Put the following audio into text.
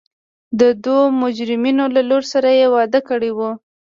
د دوو مجرمینو له لور سره یې واده کړی و.